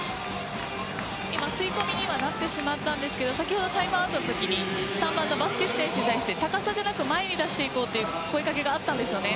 吸い込みにはなってしまったんですけど先ほどタイムアウトの時３番のバスケス選手に対して高さじゃなく前に出していこうという声かけがあったんですね。